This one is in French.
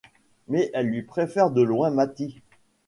Mais elle lui préfère de loin Matti.